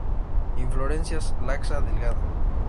Inflorescencia laxa, delgada.